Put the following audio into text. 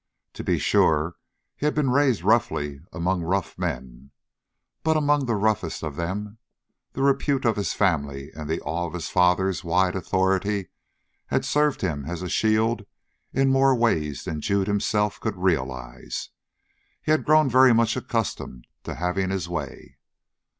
To be sure he had been raised roughly among rough men, but among the roughest of them, the repute of his family and the awe of his father's wide authority had served him as a shield in more ways than Jude himself could realize. He had grown very much accustomed to having his way.